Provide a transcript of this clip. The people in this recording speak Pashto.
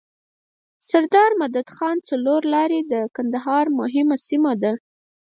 سردار مدد خان څلور لاری د کندهار مهمه سیمه ده.